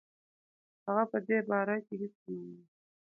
هغه په دې باره کې هیڅ نه وايي.